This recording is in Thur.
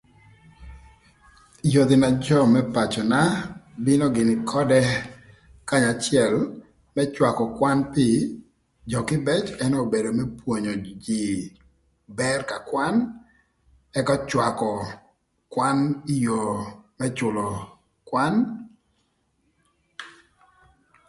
Yodhi na jö më pacöna bino gïnï ködë kanya acël më cwakö kwan pï jö kïbëc ënë obedo më pwonyo jïï bër ka kwan ëka cwakö kwan ï yoo më cülö kwan.